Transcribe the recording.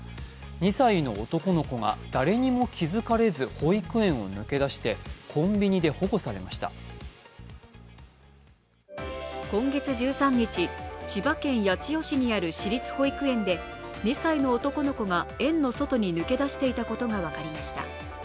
２歳の男の子が誰にも気付かれず保育園を抜け出して今月１３日、千葉県八千代市にある私立保育園で２歳の男の子が園の外に抜け出していたことが分かりました。